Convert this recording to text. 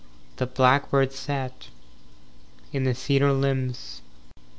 The blackbird sat In the cedar limbs.